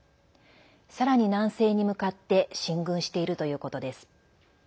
さらに南西に向かって進軍しているということです。